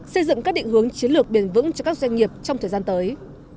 xây dựng các định hướng chiến lược bền vững cho các doanh nghiệp trong thời gian tới